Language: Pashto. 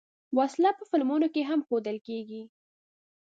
وسله په فلمونو کې هم ښودل کېږي